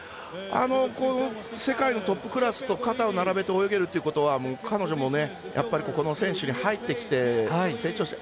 世界のトップクラスと肩を並べて泳げるということは彼女もやっぱりここの選手に入って成長して。